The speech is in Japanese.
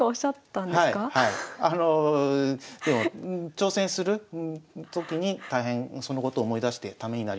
挑戦する時に大変そのことを思い出してためになりましたね。